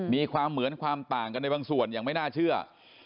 มีความเหมือนความต่างกันในบางส่วนอย่างไม่น่าเชื่อ